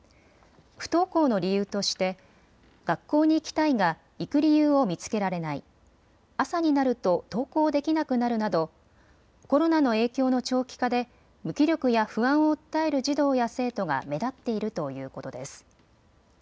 不登校の理由として学校に行きたいが行く理由を見つけられない朝になると登校できなくなるなどコロナの影響の長期化で、無気力や不安を訴える児童や生徒が目立っているということです。